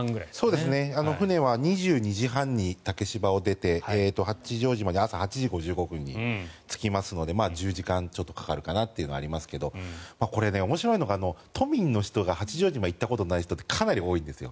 船は２２時半に竹芝を出て八丈島に朝８時５５分に着きますので１０時間ちょっとかかりますがこれね面白いのが都民の人が八丈島に行ったことがない人がかなりいるんです。